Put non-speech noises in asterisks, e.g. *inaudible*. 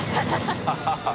ハハハ *laughs*